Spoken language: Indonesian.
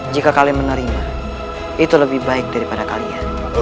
jika kalian menerima itu lebih baik daripada kalian